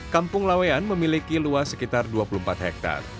kampung lawean memiliki luas sekitar dua puluh empat hektare